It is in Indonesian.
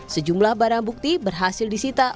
sejumlah barang bukti berhasil disita